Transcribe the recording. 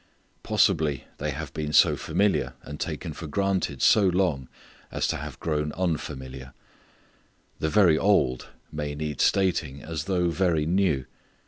Possibly they have been so familiar and taken for granted so long as to have grown unfamiliar. The very old may need stating as though very new.